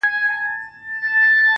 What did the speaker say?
خدايه ښه نـری بـاران پرې وكړې نن.